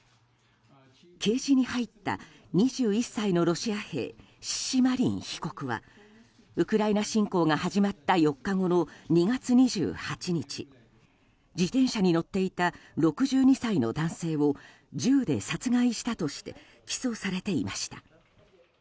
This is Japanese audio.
ケージに入った２１歳のロシア兵シシマリン被告はウクライナ侵攻が始まった４日後の２月２８日自転車に乗っていた６２歳の男性を銃で殺害したとして起訴されていました。